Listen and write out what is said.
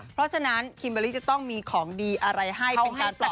เพราะฉะนั้นคิมเบอร์รี่จะต้องมีของดีอะไรให้เป็นการปรับ